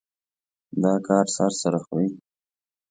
دا کار سر سره خوري.